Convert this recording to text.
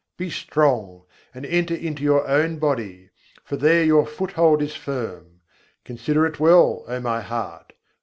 Be strong, and enter into your own body: for there your foothold is firm. Consider it well, O my heart!